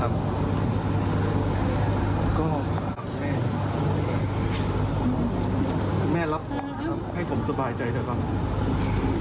ก็ขอขอบคุณแม่แม่รับผมครับให้ผมสบายใจเถอะครับ